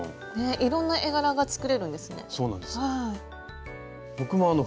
いろんな絵柄が作れるんですね。